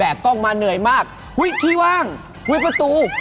เป็นเสียงแบบ